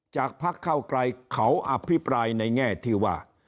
พักเก้าไกลเขาอภิปรายในแง่ที่ว่า